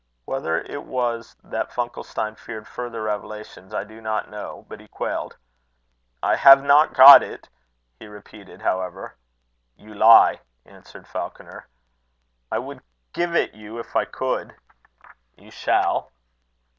Whether it was that Funkelstein feared further revelations, I do not know, but he quailed. "I have not got it," he repeated, however. "You lie," answered Falconer. "I would give it you if I could." "You shall."